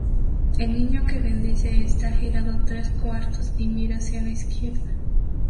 El Niño que bendice está girado tres cuartos y mira hacia la izquierda.